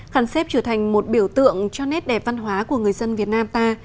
khăn xếp trở thành một biểu tượng cho nét đẹp văn hóa của người dân việt nam ta